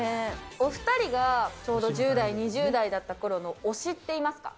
お２人がちょうど１０代、２０代だったころの推しっていますか？